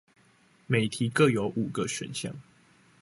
每題各有五個選項